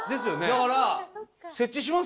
だから。